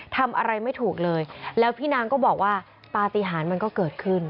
ทำอะไรไม่ถูกเลยแล้วพี่นางก็บอกว่าปฏิหารมันก็เกิดขึ้น